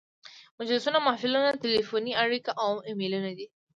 مجلسونه، محفلونه، تلیفوني اړیکې او ایمیلونه دي.